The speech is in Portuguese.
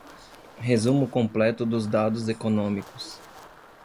Resumo completo dos dados econômicos.